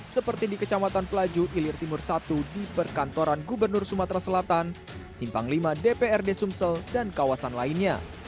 seperti di kecamatan pelaju ilir timur satu di perkantoran gubernur sumatera selatan simpang v dprd sumsel dan kawasan lainnya